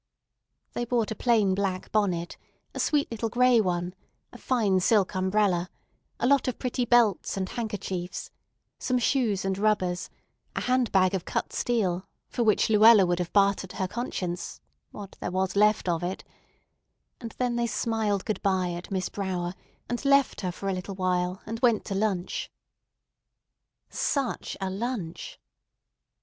They bought a plain black bonnet, a sweet little gray one, a fine silk umbrella, a lot of pretty belts and handkerchiefs, some shoes and rubbers, a hand bag of cut steel, for which Luella would have bartered her conscience—what there was left of it; and then they smiled good by at Miss Brower, and left her for a little while, and went to lunch. Such a lunch!